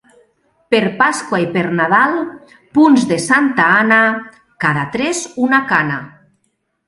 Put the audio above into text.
Per Pasqua i per Nadal, punts de Santa Anna, cada tres una cana.